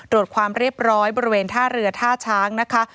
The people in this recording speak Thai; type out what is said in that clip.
ความเรียบร้อยบริเวณท่าเรือท่าช้างนะคะ